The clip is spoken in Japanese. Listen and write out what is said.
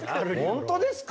本当ですか。